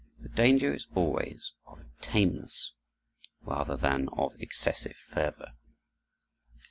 The danger is always of tameness, rather than of excessive fervor.